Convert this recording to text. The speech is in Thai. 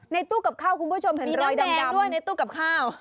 ตู้กับข้าวคุณผู้ชมเห็นรอยแดงด้วยในตู้กับข้าว